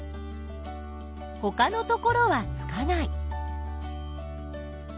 ほかのところはつかない。